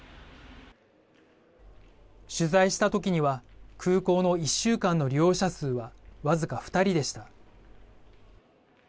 取材したときには空港の１週間の利用者数は僅か２人でした。